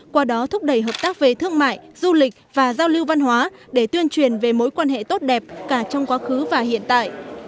qua đó thúc đẩy hợp tác về thương mại du lịch và giao lưu văn hóa để tuyên truyền về mối quan hệ tốt đẹp cả trong quá khứ và hiện tại